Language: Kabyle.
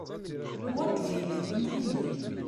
Wa ṭbib enɣ-iyi.